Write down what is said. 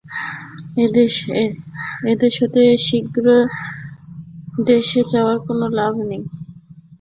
এদেশ হতে শীঘ্র দেশে যাওয়ায় কোন লাভ নাই।